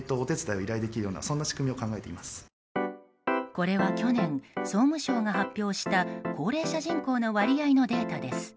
これは去年、総務省が発表した高齢者人口の割合のデータです。